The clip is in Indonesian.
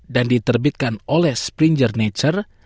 dan diterbitkan oleh springer nature